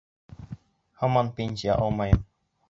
Һаман пенсия алмайым!